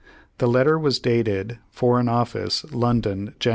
The letter was dated Foreign Office, London, Jan.